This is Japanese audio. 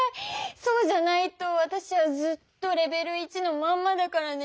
そうじゃないとわたしはずっとレベル１のまんまだからね。